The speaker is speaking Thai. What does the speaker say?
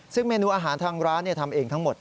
ซึ่งเมนูอาหารทางร้านทำเองทั้งหมด